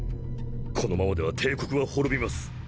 このままでは帝国は滅びます。